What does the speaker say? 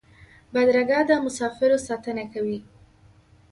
بدرګه د مسافرو ساتنه کوي.